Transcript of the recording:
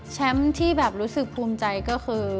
ที่แบบรู้สึกภูมิใจก็คือ